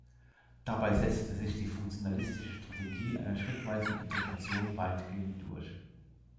Dabei setzte sich die funktionalistische Strategie einer schrittweisen Integration weitgehend durch.